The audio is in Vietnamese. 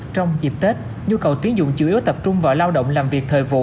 trong dịp tết nhu cầu tuyến dụng chủ yếu tập trung vào lao động làm việc thời vụ